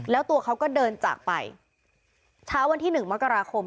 แล้วตัวเขาก็เดินจากไปเช้าวันที่หนึ่งมกราคม